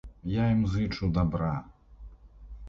Я ім зычу дабра.